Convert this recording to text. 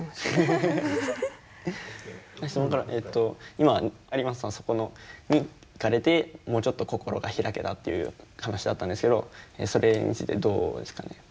今有松さんはそこに行かれてもうちょっと心が開けたっていう話だったんですけどそれについてどうですかね？